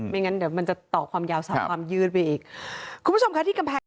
ไม่งั้นเดี๋ยวมันจะต่อความยาวสาวความยืดไปอีก